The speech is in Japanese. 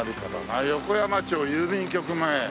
あっ横山町郵便局前。